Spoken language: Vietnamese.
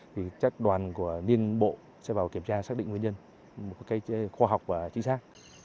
thì chắc đoàn của niên bộ sẽ vào kiểm tra xác định nguyên nhân một cái khoa học và chính xác